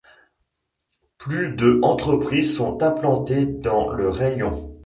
Plus de entreprises sont implantées dans le raïon.